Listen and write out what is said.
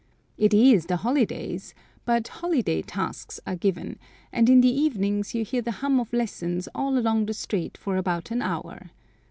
It is the holidays, but "holiday tasks" are given, and in the evenings you hear the hum of lessons all along the street for about an hour.